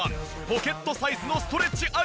ポケットサイズのストレッチアイテム。